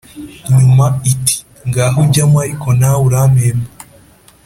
, nyuma iti “Ngaho jyamo ariko nawe urampemba!”